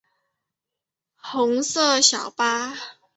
红色小巴